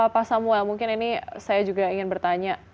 pak samuel mungkin ini saya juga ingin bertanya